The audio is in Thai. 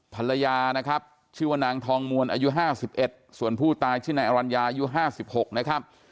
ภรรยานะครับชื่อว่านางทองมวลอายุ๕๑ส่วนผู้ตายชื่อนายอรัญญาอายุ๕๖นะครับ